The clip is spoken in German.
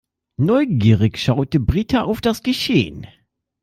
Neugierig schaute Britta auf das Geschehen.